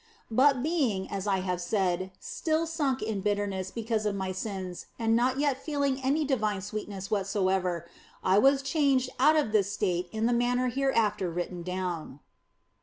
But being, as I have said, still sunk in bitterness because of my sins and not yet feeling any divine sweetness whatso ever, I was changed out of this state in the manner here after written down.